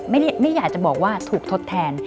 ไม่อยากจะบอกว่าถูกทดแทน